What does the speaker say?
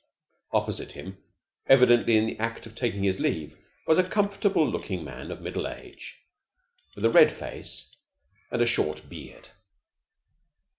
Opposite him, evidently in the act of taking his leave was a comfortable looking man of middle age with a red face and a short beard.